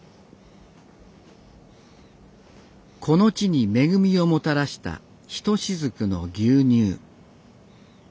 この地に恵みをもたらした一滴の牛乳。